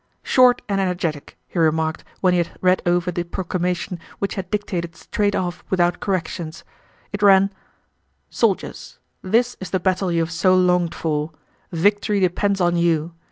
"Short and energetic!" he remarked when he had read over the proclamation which he had dictated straight off without corrections. It ran: Soldiers! This is the battle you have so longed for. Victory depends on you.